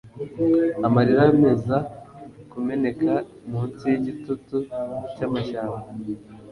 amarira meza kumeneka munsi yigitutu cyamashyamba